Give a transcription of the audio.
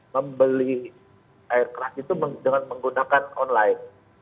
membeli air keras itu dengan menggunakan online